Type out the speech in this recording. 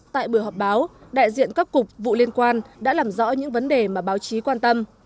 tại buổi họp báo đại diện các cục vụ liên quan đã làm rõ những vấn đề mà báo chí quan tâm